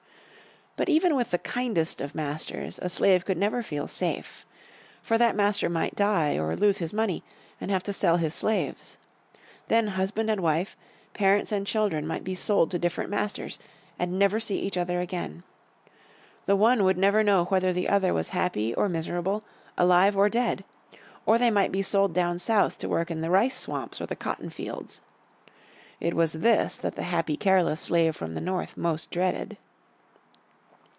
But even with the kindest of masters a slave could never feel safe. For that master might die or lose his money, and have to sell his slaves. Then husband and wife, parents and children might be sold to different masters, and never see each other again. The one would never know whether the other was happy or miserable, alive or dead. Or they might be sold down South to work in the rice swamps or the cotton fields. It was this that the happy, careless slave from the North most dreaded.